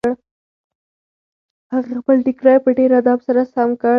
هغې خپل ټیکری په ډېر ادب سره سم کړ.